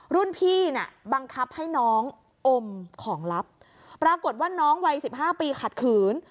รุ่นพี่น่ะบังคับให้น้องอมของลับปรากฏว่าน้องวัยสิบห้าปีขัดขืน